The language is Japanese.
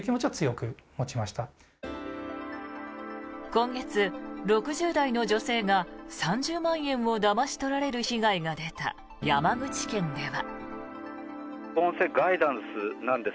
今月、６０代の女性が３０万円をだまし取られる被害が出た山口県では。